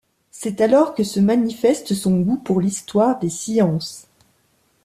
C'est alors que se manifeste son goût pour l'histoire des sciences.